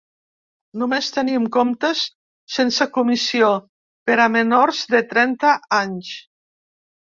Només tenim comptes sense comissió per a menors de trenta anys.